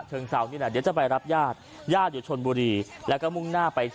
เขาว่าไงก็ว่างั้นน่ะอีกหนึ่งร้อยเมตร